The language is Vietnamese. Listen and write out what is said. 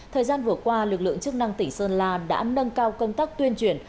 thời gian vừa qua lực lượng chức năng tỉnh sơn la đã nâng cao công tác tuyên truyền